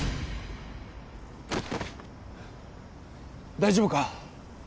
大丈夫か？